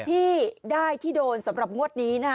ที่ได้ที่โดนสำหรับงวดนี้นะ